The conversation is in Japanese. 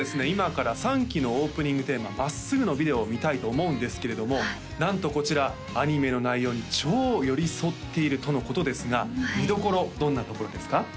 今から３期のオープニングテーマ「まっすぐ」のビデオを見たいと思うんですけれどもなんとこちらアニメの内容に超寄り添っているとのことですが見どころどんなところですか？